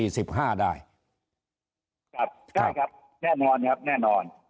ครับได้ครับแน่นอนครับแน่นอน